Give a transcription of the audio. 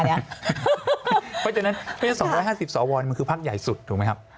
เพราะฉะนั้น๒๕๐สวมันคือพักใหญ่สุดถูกไหมครับ